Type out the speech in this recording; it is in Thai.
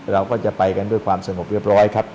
เราก็จะไปกันด้วยความสงบเรียบร้อยครับ